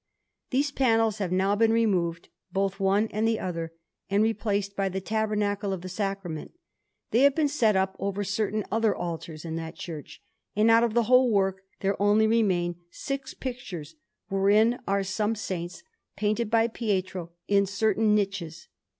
These panels have now been removed, both one and the other, and replaced by the Tabernacle of the Sacrament; they have been set up over certain other altars in that church, and out of the whole work there only remain six pictures, wherein are some saints painted by Pietro in certain niches.